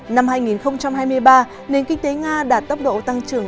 năm hai nghìn hai mươi ba nền kinh tế nga đạt tốc độ tăng trưởng